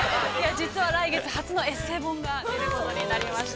◆実は来月、初のエッセイ本が出ることになりまして。